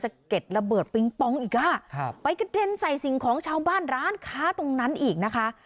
เก็ดระเบิดปิงปองอีกอ่ะครับไปกระเด็นใส่สิ่งของชาวบ้านร้านค้าตรงนั้นอีกนะคะ